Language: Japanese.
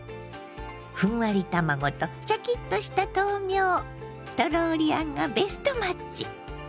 ふんわり卵とシャキッとした豆苗トローリあんがベストマッチ。